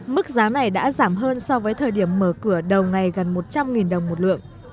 mức giá này đã giảm hơn so với thời điểm mở cửa đầu ngày gần một trăm linh đồng một lượng